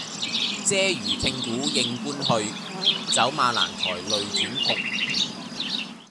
嗟余聽鼓應官去，走馬蘭台類轉蓬。